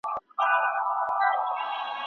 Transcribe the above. نوې ودانۍ پکې جوړېږي.